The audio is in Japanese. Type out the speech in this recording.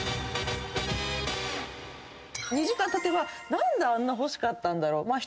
２時間たてば何であんな欲しかったんだろう。